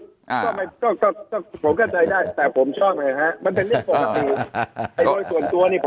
ก็ผมเข้าใจได้แต่ผมชอบเลยฮะมันเป็นเรื่องของจิตส่วนตัวเนี่ย